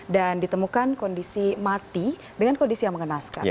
dan ditemukan kondisi mati dengan kondisi yang mengenaskan